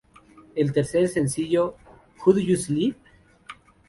El tercer sencillo, ""How Do You Sleep?